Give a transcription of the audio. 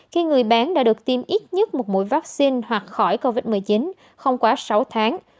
khi người bán đã được tiêm ít nhất một mũi vaccine hoặc khỏi covid một mươi chín không quá sáu tháng